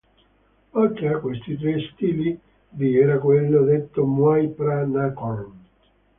Oltre a questi tre stili, vi era quello detto Muay Pra Na Korn.